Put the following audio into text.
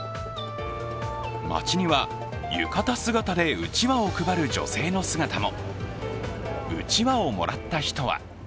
街では浴衣姿でうちわを配る女性の姿も。